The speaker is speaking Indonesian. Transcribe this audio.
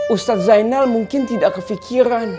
ustadz zainal mungkin tidak kefikiran